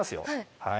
はい。